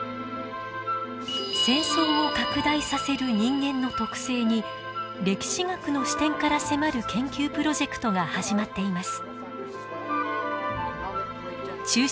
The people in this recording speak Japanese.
戦争を拡大させる人間の特性に歴史学の視点から迫る研究プロジェクトが始まっています。